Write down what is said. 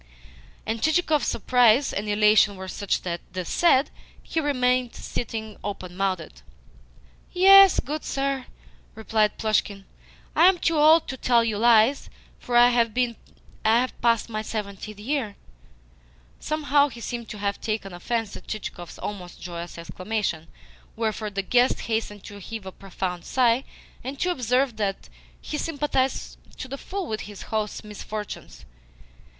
And Chichikov's surprise and elation were such that, this said, he remained sitting open mouthed. "Yes, good sir," replied Plushkin. "I am too old to tell you lies, for I have passed my seventieth year." Somehow he seemed to have taken offence at Chichikov's almost joyous exclamation; wherefore the guest hastened to heave a profound sigh, and to observe that he sympathised to the full with his host's misfortunes.